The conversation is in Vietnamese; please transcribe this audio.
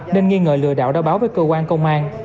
nên nghi ngờ lừa đảo đã báo với cơ quan công an